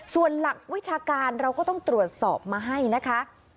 ส่วนหลักวิชาการเราก็ต้องตรวจสอบมาให้นะคะ